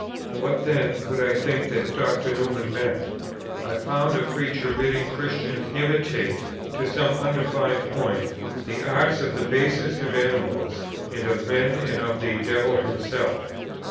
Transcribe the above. "What, then, could I think that Dr. Newman meant? I found a preacher bidding Christians imitate, to some undefined point, the 'arts' of the basest of animals, and of men, and of the devil himself.